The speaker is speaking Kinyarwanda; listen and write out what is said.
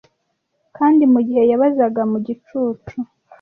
kandi mugihe yabazaga mu gicucu